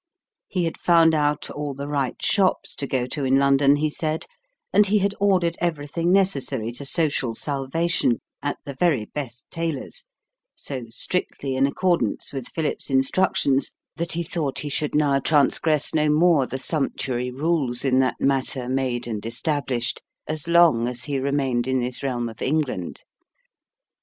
He had found out all the right shops to go to in London, he said; and he had ordered everything necessary to social salvation at the very best tailor's, so strictly in accordance with Philip's instructions that he thought he should now transgress no more the sumptuary rules in that matter made and established, as long as he remained in this realm of England.